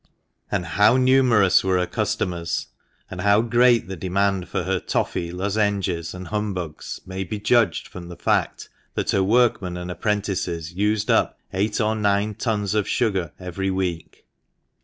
And how numerous were her customers, and how great the demand for her toffy, lozenges, and "humbugs" may be judged from the fact that her work men and apprentices used up eight or nine tons of sugar every week.